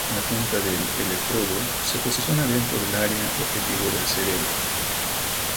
La punta del electrodo se posiciona dentro del área objetivo del cerebro.